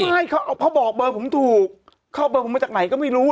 เขาบอกเบอร์ผมถูกเข้าเบอร์ผมมาจากไหนก็ไม่รู้